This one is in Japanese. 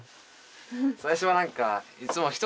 最初はなんかいつもひとりで。